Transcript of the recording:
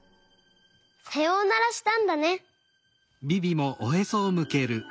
さようならしたんだね。